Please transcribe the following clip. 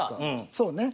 そうね。